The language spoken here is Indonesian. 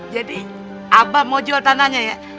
jadi abah mau jual tanahnya ya